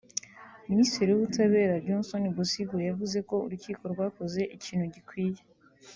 Minisitiri w’ ubutabera Johnston Busingye yavuze ko urukiko rwakoze ikintu gikwiye